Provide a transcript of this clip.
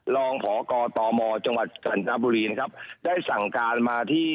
รองผอกตมจังหวัดกรรณบุรีนะครับได้สั่งการมาที่